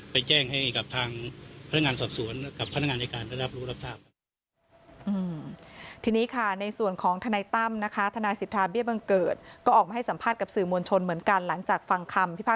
ไปแจ้งให้กับทางพนักงานสอบสวนกับพนักงานในการได้รับรู้รับทราบ